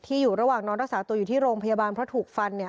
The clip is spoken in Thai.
อยู่ระหว่างนอนรักษาตัวอยู่ที่โรงพยาบาลเพราะถูกฟันเนี่ย